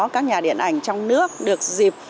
các nhà điện ảnh trong nước được dịp